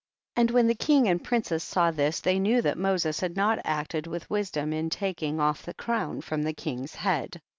30. And when the king and princes saw this, they knew that Moses had not acted with wisdom in taking off" the crown from the king's head.